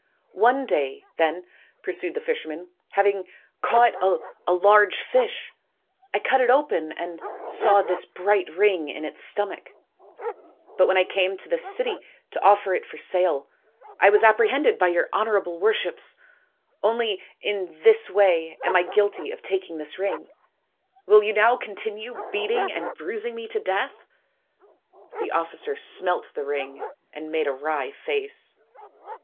" One day, then/' pursued the fisherman, " hav ing caught a large fish, I cut it open and saw this bright ring in its stomach ; but when I came to this city to offer it for sale I was apprehended by your honourable worships. Only in this way am I guilty of taking this ring. Will you now continue beating and bruising me to death ?" The officer smelt the ring and made a wry face.